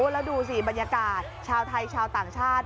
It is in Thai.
แล้วดูสิบรรยากาศชาวไทยชาวต่างชาติ